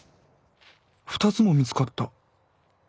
２つも見つかった。